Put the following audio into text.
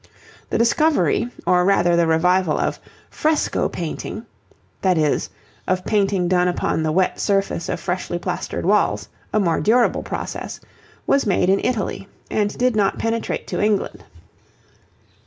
The discovery, or rather the revival, of 'fresco' painting (that is, of painting done upon the wet surface of freshly plastered walls, a more durable process) was made in Italy and did not penetrate to England.